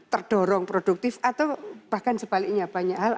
terdorong produktif atau bahkan sebaliknya banyak hal